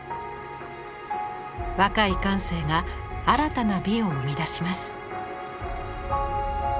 若い感性が新たな美を生み出します。